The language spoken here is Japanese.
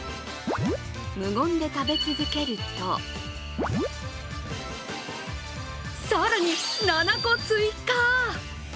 無言で食べ続けると更に７個追加。